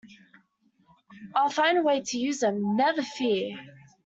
I'll find a way to use them, never fear!